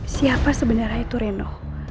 siapa sebenernya itu reno